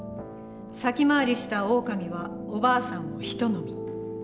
先回りしたオオカミはおばあさんをひと呑み。